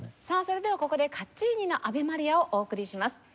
さあそれではここで『カッチーニのアヴェ・マリア』をお送りします。